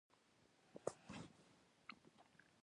هر کاري اجراات چې کارکوونکي ته سپارل کیږي.